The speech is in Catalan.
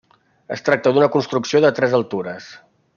Es tracta d'una construcció de tres altures.